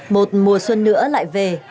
một mùa xuân nữa lại về